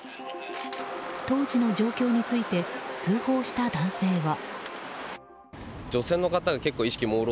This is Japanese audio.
当時の状況について通報した男性は。